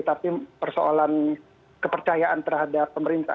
tapi persoalan kepercayaan terhadap pemerintah